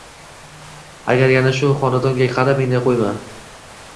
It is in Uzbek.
Agar yana shu xonadonga qadamingni qo‘yma